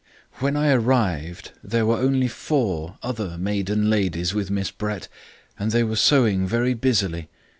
"When I arrived there were only four other maiden ladies with Miss Brett, but they were sewing very busily.